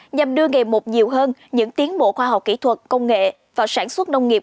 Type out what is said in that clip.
nhằm đưa nghề một nhiều hơn những tiến bộ khoa học kỹ thuật công nghệ vào sản xuất nông nghiệp